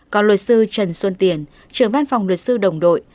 còn luật sư trần xuân tiền trưởng văn phòng luật sư đồng đội